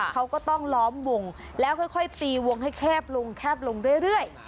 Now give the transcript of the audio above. เขาก็ต้องล้อมวงแล้วค่อยตีวงให้แคบลงแคบลงเรื่อย